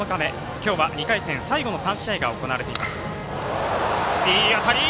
今日は２回戦、最後の３試合が行われています。